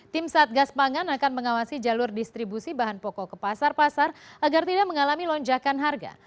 tim satgas pangan akan mengawasi jalur distribusi bahan pokok ke pasar pasar agar tidak mengalami lonjakan harga